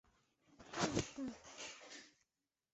美嘉广场近年来也进行提升工程以吸引更多商家入住。